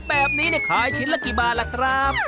แบบนี้ขายชิ้นละกี่บาทล่ะครับ